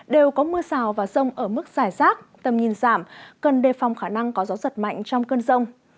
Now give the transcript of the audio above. đều có mưa rào và rông ở mức giải rác tầm nhìn giảm cần đề phòng khả năng có gió giật mạnh trong cơn rông